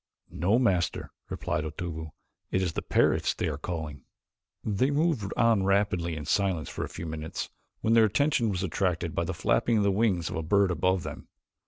"No, Master," replied Otobu. "It is the parrots they are calling." They moved on rapidly in silence for a few minutes when their attention was attracted by the flapping of the wings of a bird above them.